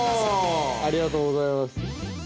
◆ありがとうございます。